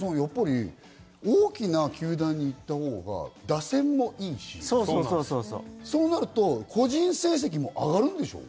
大きな球団に行ったほうが打線もいいし、そうなると個人成績は上がるでしょ？